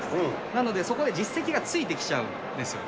なので、そこで実績がついてきちゃうんですよ。